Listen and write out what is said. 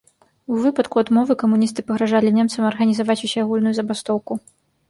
У выпадку адмовы камуністы пагражалі немцам арганізаваць усеагульную забастоўку.